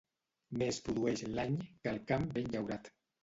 Més produeix l'any que el camp ben llaurat.